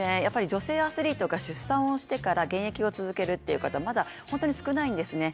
女性アスリートが出産をしてから現役を続けるという方、まだ本当に少ないんですね。